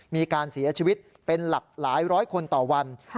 มีการเสียชีวิตเป็นหลักหลายร้อยคนต่อวัน